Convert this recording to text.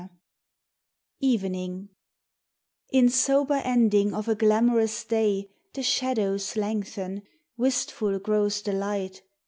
64 JSvcmwQ I N sober ending of a glamorous day The shadows lengthen, wistful grows the light.